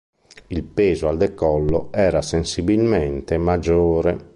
Il peso al decollo era sensibilmente maggiore.